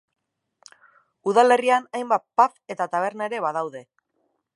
Udalerrian hainbat pub eta taberna ere badaude.